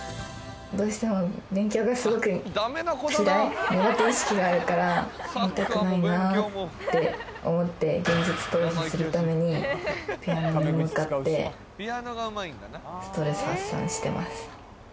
どうしても勉強がすごく嫌い苦手意識があるからやりたくないなーって思って現実逃避するためにピアノに向かってストレス発散してます